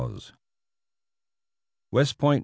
West Point, N.